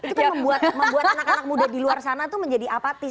itu kayak membuat anak anak muda di luar sana tuh menjadi apatis